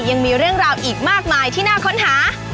ยังมีเรื่องราวอีกมากมายที่น่าค้นหา